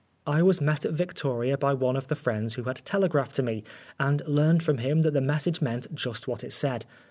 I was met at Victoria, by one of the friends who had telegraphed to me, and learned from him that the message meant just what it said.